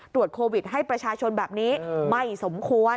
ตรวจโควิดให้ประชาชนแบบนี้ไม่สมควร